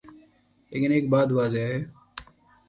لیکن ایک بات واضح ہے۔